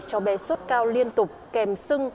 cho bé suốt cao liên tục kèm sưng